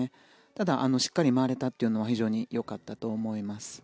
ただ、しっかり回れたのは非常に良かったと思います。